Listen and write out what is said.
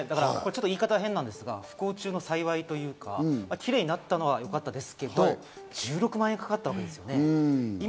言い方は変ですが、不幸中の幸いというか、キレイになったのはよかったですけど、１６万円かかったわけですよね。